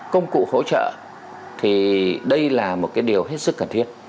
công cụ hỗ trợ thì đây là một cái điều hết sức cần thiết